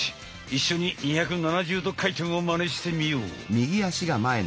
一緒に２７０度回転をマネしてみよう！